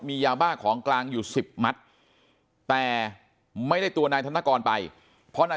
มียาบ้าของกลางอยู่สิบมัดแต่ไม่ได้ตัวนายธนกรไปเพราะนาย